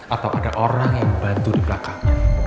atau ada orang yang bantu di belakang